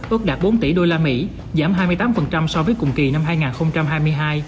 ước đạt bốn tỷ usd giảm hai mươi tám so với cùng kỳ năm hai nghìn hai mươi hai